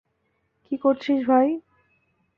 কী করছিস ভাই?